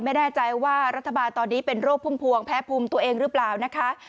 ไม่แน่ใจว่ารัฐบาลตอนนี้เป็นโรคพุ่มพวงแพ้ภูมิตัวเองหรือเปล่านะคะ